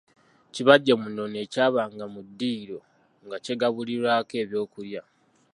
Kibajje mu nnono ekyabanga mu ddiiro nga kigabulirwako ebyokulya.